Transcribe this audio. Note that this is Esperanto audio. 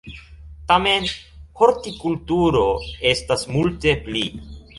Tamen, "hortikulturo" estas multe pli.